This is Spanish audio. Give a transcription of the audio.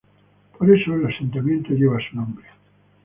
Por eso el asentamiento lleva su nombre.